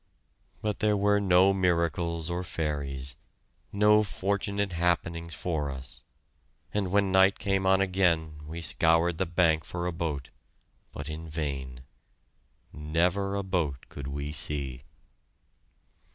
But there were no miracles or fairies no fortunate happenings for us; and when night came on again we scoured the bank for a boat, but in vain. Never a boat could we see.